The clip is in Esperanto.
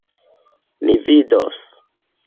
Ni vidos!